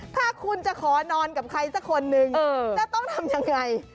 ถ้าคุณจะขอนอนกับใครสักคนนึงจะต้องทำยังไง